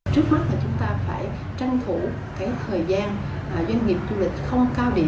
trước mắt chúng ta phải tranh thủ thời gian doanh nghiệp du lịch không cao điểm